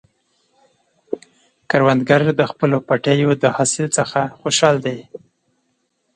کروندګر د خپلو پټیو د حاصل څخه خوشحال دی